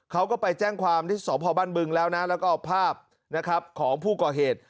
เขาก็ไปแจ้งความที่สพบ้านบึงแล้วนะแล้วก็เอาภาพนะครับของผู้ก่อเหตุ